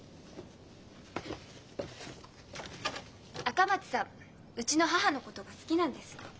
赤松さんうちの母のことが好きなんです。